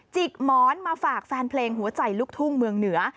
กหมอนมาฝากแฟนเพลงหัวใจลูกทุ่งเมืองเหนือ